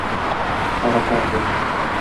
حرکت وکړ.